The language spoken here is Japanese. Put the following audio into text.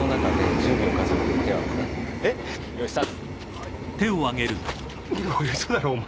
おい嘘だろお前。